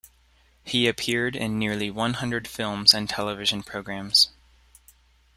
He appeared in nearly one hundred films and television programmes.